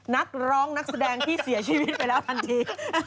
นักร้องนักแสดงที่เสียชีวิตไปแล้วทันที